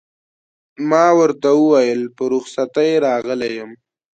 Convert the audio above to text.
ما ورته وویل: په رخصتۍ راغلی یم.